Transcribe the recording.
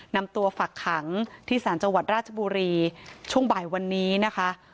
นำตัวฝักขังที่ศาลจังหวัดราชบุรีช่วงบ่ายวันนี้นะคะ